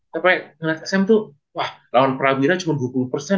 sampai sm tuh wah lawan prawira cuma dua puluh